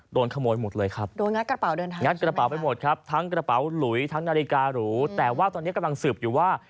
โดนขโมยหมดเลยครับทั้งกระเป๋าหลุยทั้งนาฬิกาหรูแต่ว่าตอนนี้กำลังสืบอยู่ว่า